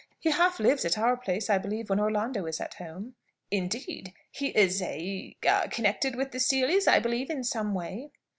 He half lives at our place, I believe, when Orlando is at home." "Indeed! He is a a connected with the Seelys, I believe, in some way?"